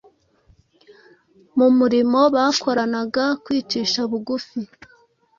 Mu murimo bakoranaga kwicisha bugufi